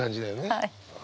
はい。